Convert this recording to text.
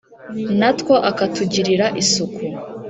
natwo akatugirira isuku.